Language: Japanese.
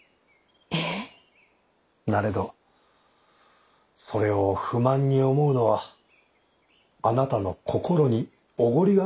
なれどそれを不満に思うのはあなたの心におごりがあるからです。